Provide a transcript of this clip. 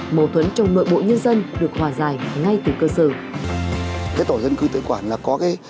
mâu thuẫn trong nội bộ nhân dân được hòa giải ngay từ cơ sở